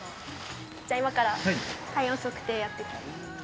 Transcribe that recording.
今から体温測定やっていきます。